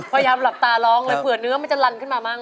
พยายามหลับตาร้องเลยเผื่อเนื้อมันจะลันขึ้นมามั่ง